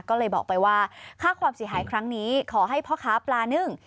ก็เลยบอกไปว่าค่าความเสียหายครั้งนี้ขอให้พ่อค้าปลานึ่ง